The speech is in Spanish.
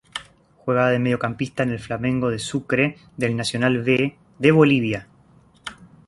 Juega de mediocampista en el Flamengo de Sucre del Nacional B de Bolivia.